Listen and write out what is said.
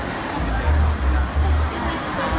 โปรดติดตามตอนต่อไป